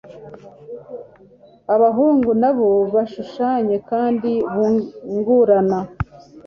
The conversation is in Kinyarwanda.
abahungu nabo bashushanye kandi bungurana